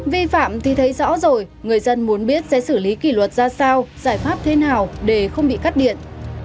vi phạm thì thấy rõ rồi người dân muốn biết sẽ xử lý kỷ luật ra sao giải pháp thế nào để không bị cắt điện